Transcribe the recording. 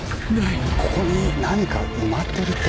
ここに何か埋まってるって。